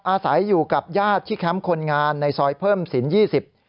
อาศัยอยู่กับญาติที่แคมพ์ค้นงานในซอยเพิ่มศิลป์๒๐